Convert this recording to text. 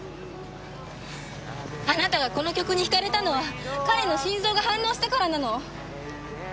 あなたがこの曲に引かれたのは彼の心臓が反応したからなの。